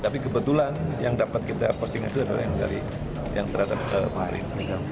tapi kebetulan yang dapat kita posting itu adalah yang terhadap pemerintah